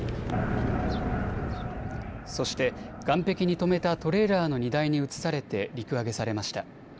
そして岸壁に止めたトレーラーの荷台に移されて陸揚げされました。